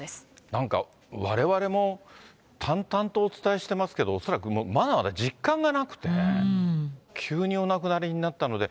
なんかわれわれも淡々とお伝えしてますけど、まだまだ実感がなくて、急にお亡くなりになったので。